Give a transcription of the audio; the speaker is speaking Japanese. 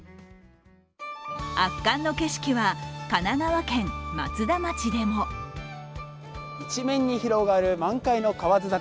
圧巻の景色は、神奈川県松田町でも一面に広がる満開の河津桜